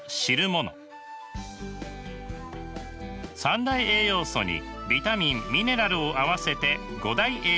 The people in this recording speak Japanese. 三大栄養素にビタミンミネラルを合わせて五大栄養素。